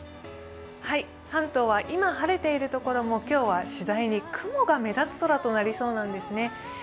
関東は今、晴れているところも今日は次第に雲が目立つ空となりそうなんですね。